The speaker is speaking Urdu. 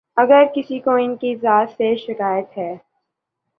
اگر کسی کو ان کی ذات سے شکایت ہے۔